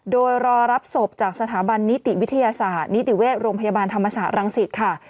โดยรอรับศพจากสถาบันนิติวิทยาศาสตร์นิติเวชโรงพยาบาลธรรมศาสตรังสิตค่ะ